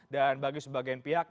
dan bagi sebagian pihak